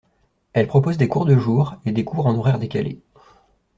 Elle propose des cours de jour et des cours en horaire décalé.